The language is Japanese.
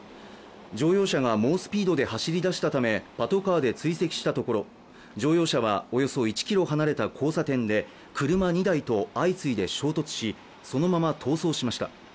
乗用車が猛スピードで走りだしたため、パトカーで追跡したところ、乗用車はおよそ１ｋｍ離れた交差点で車２台と相次いで衝突し、そのまま逃走しました。